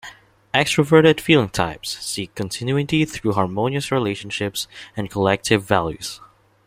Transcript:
Extroverted feeling types seek continuity through harmonious relationships and collective values.